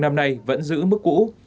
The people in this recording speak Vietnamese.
năm nay vẫn giữ mức cũ